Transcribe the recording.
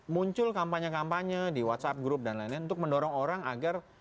muncul kampanye kampanye di whatsapp group dan lain lain untuk mendorong orang agar